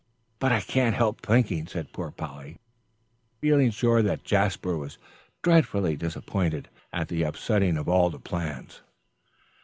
"But I can't help thinking," said poor Polly, feeling sure that Jasper was dreadfully disappointed at the upsetting of all the plans.